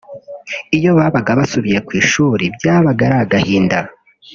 Iyo babaga basubiye ku ishuli byabaga ari agahinda